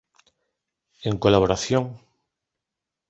En colaboración